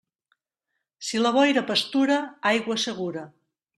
Si la boira pastura, aigua segura.